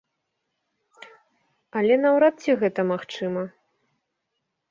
Але наўрад ці гэта магчыма.